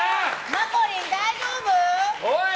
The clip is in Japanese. まこりん、大丈夫？